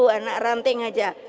anak ranting saja